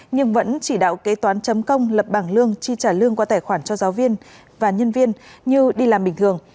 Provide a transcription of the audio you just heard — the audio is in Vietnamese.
nhưng vẫn chỉ đạo kế toán chấm công lập bảng lương chi trả lương qua tài khoản cho giáo viên và nhân viên như đi làm bình thường